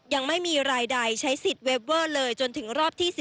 ยังไม่มีรายใดใช้สิทธิ์เวฟเวอร์เลยจนถึงรอบที่๑๑